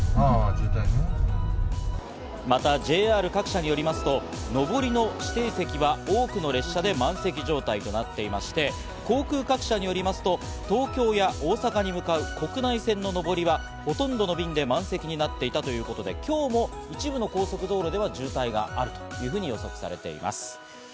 またＪＲ各社によりますと、上りの指定席は多くの列車で満席状態となっていまして、航空各社によりますと、東京や大阪に向かう国内線の上りはほとんどの便で満席になっていたということで、今日も一部の高速道路では渋滞があると予測されています。